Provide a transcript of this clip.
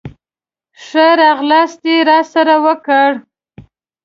ښه راغلاست یې راسره وکړ.